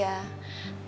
aku sih seneng banget